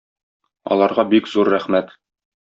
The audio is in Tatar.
Аларга бик зур рәхмәт.